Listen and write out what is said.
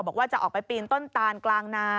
บอกว่าจะออกไปปีนต้นตานกลางนา